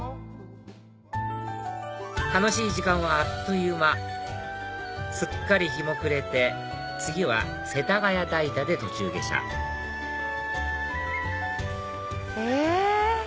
楽しい時間はあっという間すっかり日も暮れて次は世田谷代田で途中下車え！